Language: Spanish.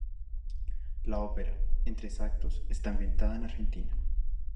La ópera, en tres actos, está ambientada en Argentina.